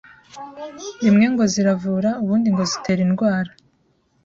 Rimwe ngo ziravura ubundi ngo zitera indwara